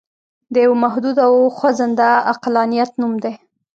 د یوه محدود او خوځنده عقلانیت نوم دی.